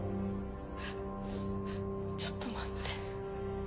ちょっと待って。